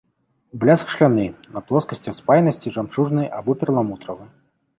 Бляск шкляны, на плоскасцях спайнасці жамчужны або перламутравы.